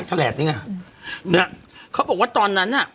ตั้งเขาบอกว่าตอนนั้นน่ะ